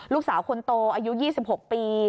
ลูกสาวคนโตอายุ๒๖ปี